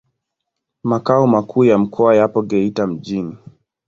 Makao makuu ya mkoa yapo Geita mjini.